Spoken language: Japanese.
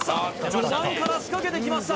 序盤から仕掛けてきました